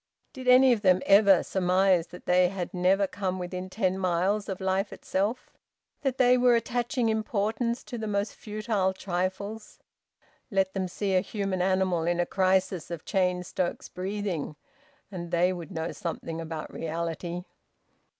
Did any of them ever surmise that they had never come within ten miles of life itself, that they were attaching importance to the most futile trifles? Let them see a human animal in a crisis of Cheyne Stokes breathing, and they would know something about reality!